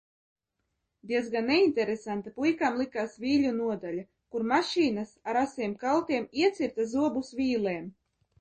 Diezgan neinteresanta puikām likās vīļu nodaļa, kur mašīnas, ar asiem kaltiem, iecirta zobus vīlēm.